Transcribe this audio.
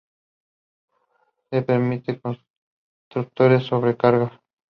Se permiten constructores sobrecargados.